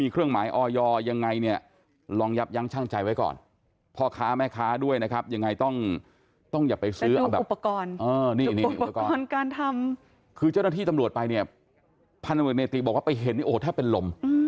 คือเจ้าหน้าที่ตำรวจไปเนี่ยพันธุ์นาทีบอกว่าไปเห็นนี่แทบเป็นลม